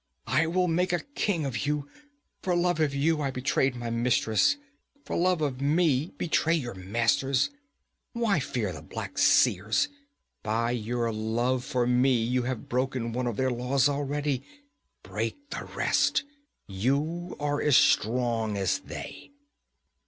'I will make a king of you! For love of you I betrayed my mistress; for love of me betray your masters! Why fear the Black Seers? By your love for me you have broken one of their laws already! Break the rest! You are as strong as they!'